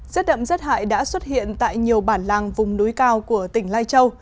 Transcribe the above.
rất đậm rất hại đã xuất hiện tại nhiều bản làng vùng núi cao của tỉnh lai châu